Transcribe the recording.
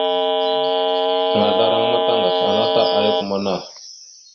Mahəzlaraŋa ma taŋgasl ana ta ayak amanah.